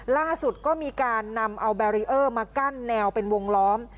ล่าสุดก็มีการนำเอาแบรีเออร์มากั้นแนวเป็นวงล้อม